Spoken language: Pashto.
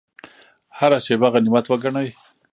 هره شیبه غنیمت وګڼئ